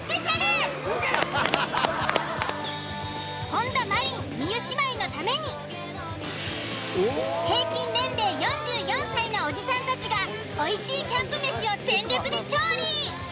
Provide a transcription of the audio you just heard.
本田真凜・望結姉妹のために平均年齢４４歳のおじさんたちがおいしいキャンプ飯を全力で調理。